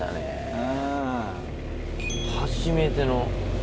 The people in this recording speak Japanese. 初めての。